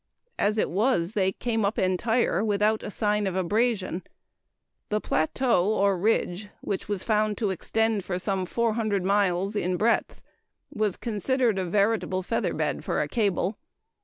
As it was, they came up entire without a sign of abrasion. The plateau or ridge which was found to extend for some 400 miles in breadth was considered a veritable feather bed for a cable.